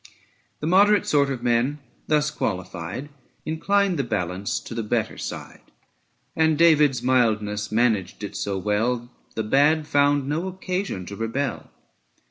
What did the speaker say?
The moderate sort of men, thus qualified, 75 Inclined the balance to the better side; And David's mildness managed it so well, The bad found no occasion to rebel.